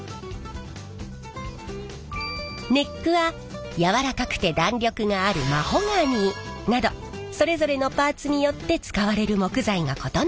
ネックは軟らかくて弾力があるマホガニーなどそれぞれのパーツによって使われる木材が異なるのです。